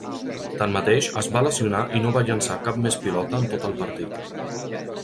Tanmateix, es va lesionar i no va llançar cap més pilota en tot el partit.